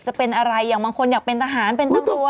จะเป็นอะไรอย่างบางคนอยากเป็นทหารเป็นตำรวจ